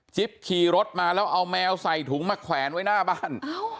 ขี่รถมาแล้วเอาแมวใส่ถุงมาแขวนไว้หน้าบ้าน